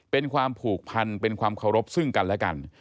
เป็นความผูกพันเป็นความเคารพซึ่งกันและกัน